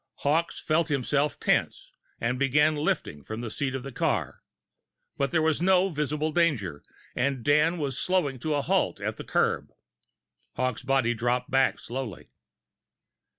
Hawkes felt himself tense, and began lifting from the seat of the car. But there was no visible danger, and Dan was slowing to a halt at the curb, Hawkes' body dropped back slowly.